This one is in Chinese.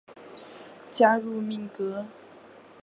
加入民革。